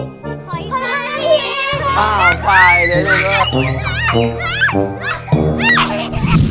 พร้อมพี่พร้อมพี่อ๋อไปเลยลูก